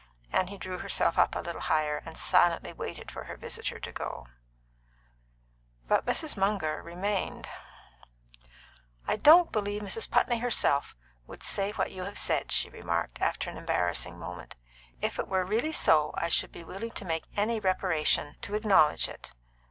Annie drew herself up a little higher, and silently waited for her visitor to go. But Mrs. Munger remained. "I don't believe Mrs. Putney herself would say what you have said," she remarked, after an embarrassing moment. "If it were really so I should be willing to make any reparation to acknowledge it.